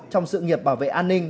trong sự nghiệp bảo vệ an ninh